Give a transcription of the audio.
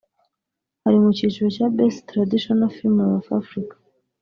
ari mu cyiciro cya ‘Best Traditional Female of Africa’